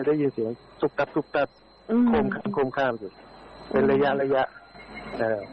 ได้ยินเสียงสุกตับสุกตับอืมโคมข้ามอยู่เป็นระยะระยะอ่า